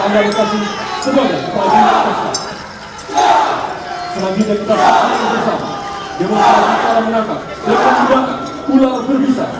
dabesu menampilkan iwan sasu yang adalah teknik pasukan dan kumpulan